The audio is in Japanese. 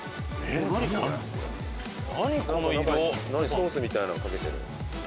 ソースみたいなのかけてる。